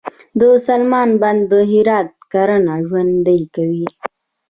د سلما بند د هرات کرنه ژوندي کوي